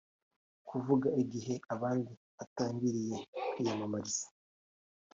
“Kuva igihe abandi batangiriye kwiyamamariza